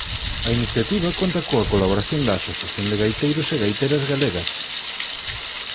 A iniciativa conta coa colaboración da Asociación de Gaiteiros e Gaiteiras Galegas.